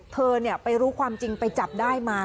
เธอไปรู้ความจริงไปจับได้มา